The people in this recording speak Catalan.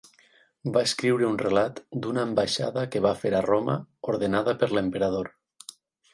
Va escriure un relat d'una ambaixada que va fer a Roma ordenada per l'emperador.